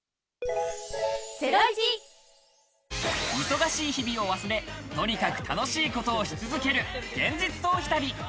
忙しい日々を忘れ、とにかく楽しいことをし続ける現実逃避旅。